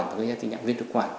và gây ra tình nhạc viên thực quả